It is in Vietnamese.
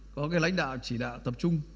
có cái lãnh đạo chỉ đạo tập trung